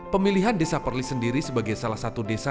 pemilihan desa perlis sendiri sebagai salah satu desa